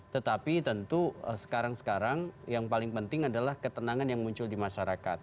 tetapi tentu sekarang sekarang yang paling penting adalah ketenangan yang muncul di masyarakat